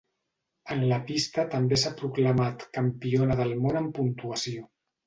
En la pista també s'ha proclamat Campiona del món en Puntuació.